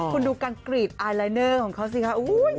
คุณดูกันกรีดอายลายเนอร์ของเขาสิครับ